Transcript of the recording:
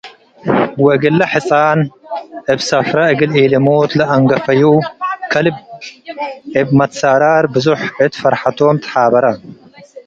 ወእግለ ሕጻን እብ ሰፍራ እግል ኢሊሙት ለአንገፈዩ ከልብ እብ መትሳራር ብዞሕ እት ፈርሐቶም ተሓበረ።